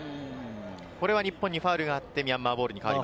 これは日本にファウルがあって、ミャンマーボールです。